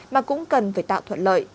mà cũng cần phải tạo thuận lợi